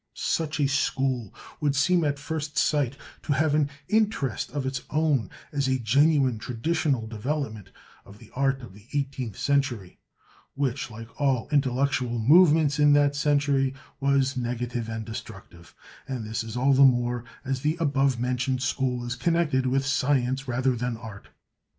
Such a school would seem at first sight to have an interest of its own as a genuine traditional development of the art of the eighteenth century, which, like all intellectual movements in that century, was negative and destructive; and this all the more as the above mentioned school is connected with science rather than art.